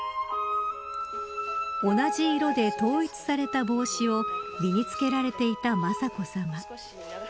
同じ色で統一された帽子を身に着けられていた雅子さま。